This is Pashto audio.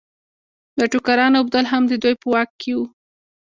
د ټوکرانو اوبدل هم د دوی په واک کې وو.